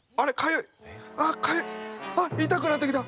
痛くなってきた！